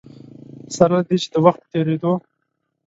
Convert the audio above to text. سره له دې چې د وخت په تېرېدو.